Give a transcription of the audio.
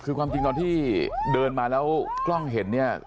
คือความจริงตอนที่เดินมาแล้วกล้องเห็นเนี่ย